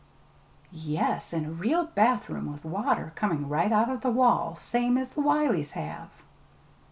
"Yes, and a real bathroom, with water coming right out of the wall, same as the Wileys have!"